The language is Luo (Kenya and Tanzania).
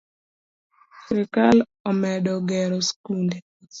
Sirikal omedo gero sikunde.